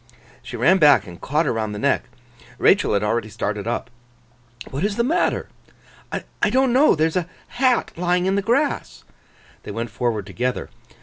She ran back, and caught her round the neck. Rachael had already started up. 'What is the matter?' 'I don't know. There is a hat lying in the grass.' They went forward together.